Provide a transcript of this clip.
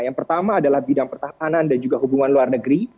yang pertama adalah bidang pertahanan dan juga hubungan luar negeri